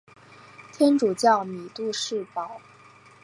天主教米杜士堡教区是英国英格兰一个罗马天主教教区。